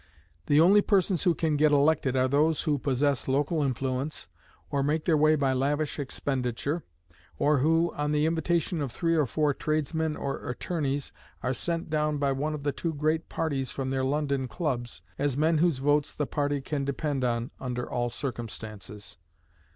The only persons who can get elected are those who possess local influence, or make their way by lavish expenditure, or who, on the invitation of three or four tradesmen or attorneys, are sent down by one of the two great parties from their London clubs, as men whose votes the party can depend on under all circumstances.